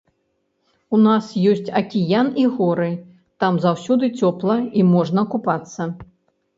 У нас ёсць акіян і горы, там заўсёды цёпла і можна купацца.